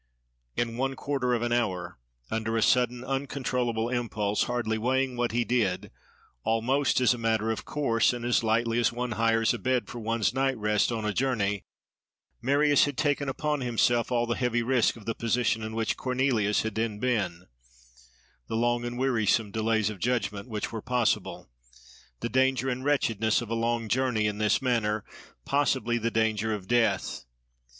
In one quarter of an hour, under a sudden, uncontrollable impulse, hardly weighing what he did, almost as a matter of course and as lightly as one hires a bed for one's night's rest on a journey, Marius had taken upon himself all the heavy risk of the position in which Cornelius had then been—the long and wearisome delays of judgment, which were possible; the danger and wretchedness of a long journey in this manner; possibly the danger of death.